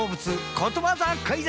ことわざクイズ！